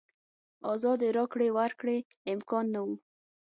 ازادې راکړې ورکړې امکان نه و.